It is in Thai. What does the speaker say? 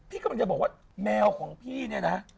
กำลังจะบอกว่าแมวของพี่เนี่ยนะ